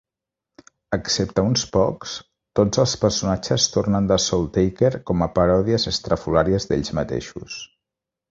Excepte uns pocs, tots els personatges tornen de SoulTaker com a paròdies estrafolàries d'ells mateixos.